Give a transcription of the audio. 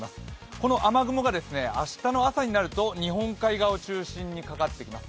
この雨雲が明日の朝になると日本海側を中心にかかってきます。